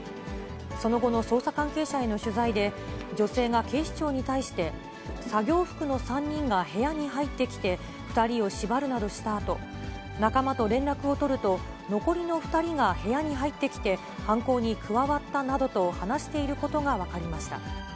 その後の捜査関係者への取材で、女性が警視庁に対して、作業服の３人が部屋に入ってきて、２人を縛るなどしたあと、仲間と連絡を取ると、残りの２人が部屋に入ってきて、犯行に加わったなどと話していることが分かりました。